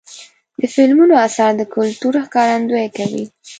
د فلمونو اثار د کلتور ښکارندویي کوي.